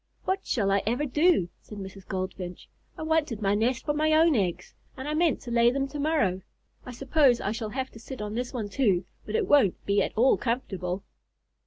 "What shall I ever do?" said Mrs. Goldfinch. "I wanted my nest for my own eggs, and I meant to lay them to morrow. I suppose I shall have to sit on this one too, but it won't be at all comfortable."